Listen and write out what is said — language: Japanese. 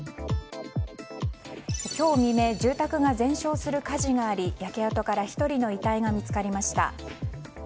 今日未明住宅が全焼する火事があり焼け跡から１人の遺体が見つかりました。